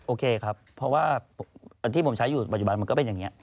โอเคครับเพราะว่าที่ผมใช้อยู่ปัจจุบันมันก็เป็นอย่างนี้